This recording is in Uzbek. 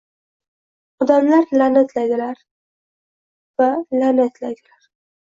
Odamlar la'natlaydilar va la'natlaydilar